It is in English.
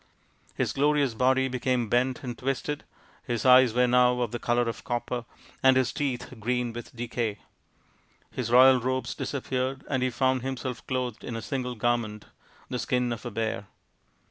His glorious body became bent and twisted ; his eyes were now of the colour of copper, and his teeth green with decay ; his royal robes disappeared, and he found himself clothed in a single garment, the skin of a bear.